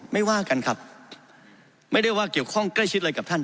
ไม่ว่ากันครับไม่ได้ว่าเกี่ยวข้องใกล้ชิดอะไรกับท่าน